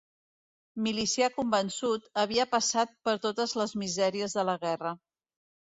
Milicià convençut, havia passat per totes les misèries de la guerra.